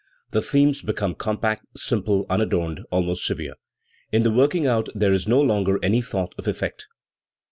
The themes become compact, simple, unadorned, almost severe; in the working out there is no longer any thought of effect.